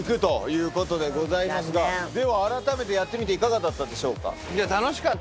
ではあらためてやってみていかがだったでしょうか。